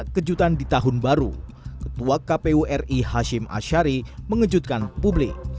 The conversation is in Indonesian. ketua kpu ri hashim ashari mengejutkan publik